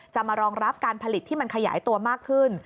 มารองรับการผลิตที่มันขยายตัวมากขึ้น